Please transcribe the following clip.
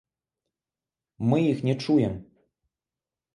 Мы іх не чуем.